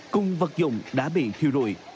cùng vật dụng đã bị thiêu rụi